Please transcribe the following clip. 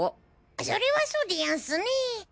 それはそうでヤンスね。